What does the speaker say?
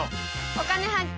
「お金発見」。